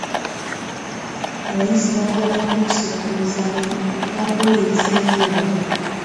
Abayizi baagala nnyo okusiba ku mizannyo n'okuwuliriza ennyimba.